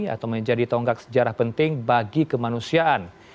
atau menjadi tonggak sejarah penting bagi kemanusiaan